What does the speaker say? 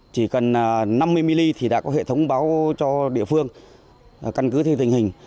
chỉ cần năm mươi mm thì đã có hệ thống báo cho địa phương căn cứ theo tình hình